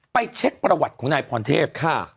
เช็คประวัติของนายพรเทพ